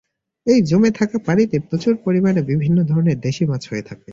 এই জমে থাকা পানিতে প্রচুর পরিমাণে বিভিন্ন ধরনের দেশি মাছ হয়ে থাকে।